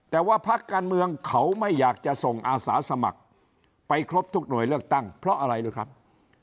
แต่ว่าพักการเมืองเขาไม่อยากจะส่งอาสาสมัครไปครบทุกหน่วยเลือกตั้งเพราะอะไรรู้ครับ